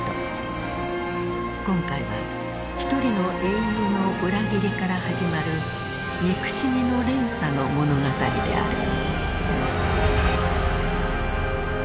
今回は一人の英雄の裏切りから始まる憎しみの連鎖の物語である。